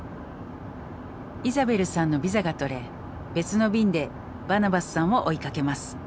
イザベルさんのビザが取れ別の便でバナバスさんを追いかけます。